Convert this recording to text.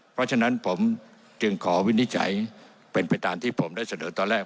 เพราะฉะนั้นผมจึงขอวินิจฉัยเป็นไปตามที่ผมได้เสนอตอนแรก